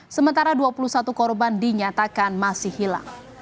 sementara dua puluh satu korban dinyatakan masih hilang